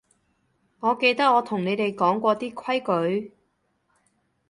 我記得我同你哋講過啲規矩